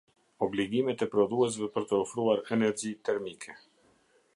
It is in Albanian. Obligimet e prodhuesve për të ofruar energji termike.